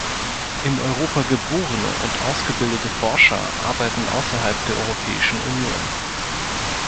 In Europa geborene und ausgebildete Forscher arbeiten außerhalb der Europäischen Union.